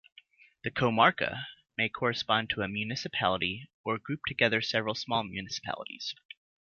The "comarca" may correspond to a municipality, or group together several small municipalities.